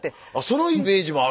そのイメージもあるね！